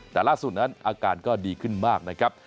แต่ล่าสุดนั้นอาการก็ดีขึ้นมากนะครับ